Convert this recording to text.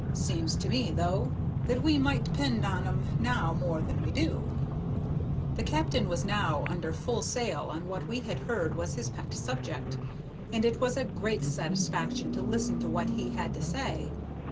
Seems to me, though, that we might depend on 'em now more than we do." The captain was under full sail on what we had heard was his pet subject, and it was a great satisfaction to listen to what he had to say.